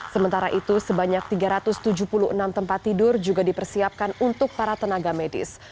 sementara itu sebanyak tiga ratus tujuh puluh enam tempat tidur juga dipersiapkan untuk para tenaga medis